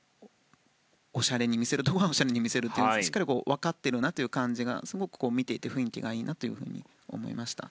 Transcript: おしゃれに見せるところは見せるというしっかり分かっているなという感じがして、すごく見ていて雰囲気がいいなというふうに思いました。